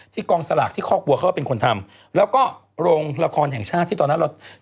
กองสลากที่คอกบัวเขาก็เป็นคนทำแล้วก็โรงละครแห่งชาติที่ตอนนั้นเรา